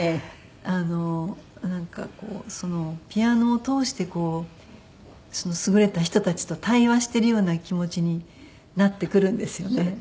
あのなんかピアノを通して優れた人たちと対話してるような気持ちになってくるんですよね。